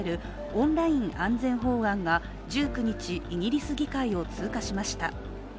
オンライン安全法案が１９日イギリス議会を通過しました。